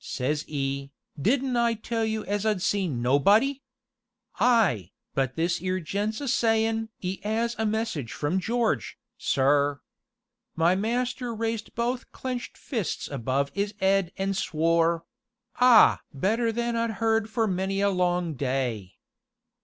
say 'e, 'didn't I tell you as I'd see nobody?' 'Ay, but this 'ere gent's a sayin' 'e 'as a message from George, sir.' My master raised both clenched fists above 'is 'ead an' swore ah! better than I'd heard for many a long day.